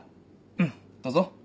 うんどうぞ。